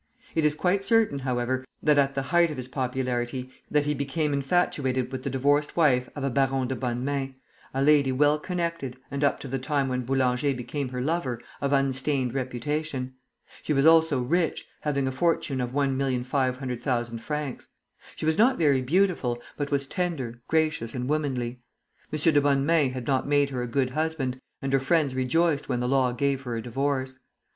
It is quite certain, however, that at the height of his popularity he became infatuated with the divorced wife of a Baron de Bonnemains, a lady well connected, and up to the time when Boulanger became her lover, of unstained reputation. She was also rich, having a fortune of 1,500,000 francs. She was not very beautiful, but was tender, gracious, and womanly. M. de Bonnemains had not made her a good husband, and her friends rejoiced when the law gave her a divorce.